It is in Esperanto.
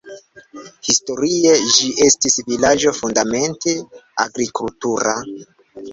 Historie ĝi estis vilaĝo fundamente agrikultura.